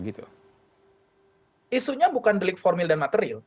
isunya bukan delik formil dan material